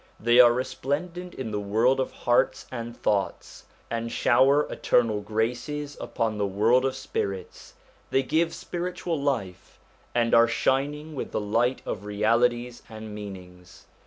They are resplendent in the world of hearts and thoughts, and shower eternal graces upon the world of spirits ; they give spiritual life, and are shining with the light of realities and meanings.